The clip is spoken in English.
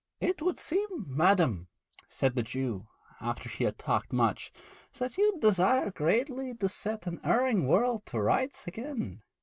'It would seem, madam,' said the Jew, after she had talked much, 'that you desire greatly to set an erring world to rights again.'